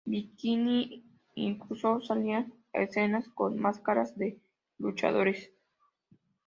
Bikini incluso salían a escena con máscaras de luchadores.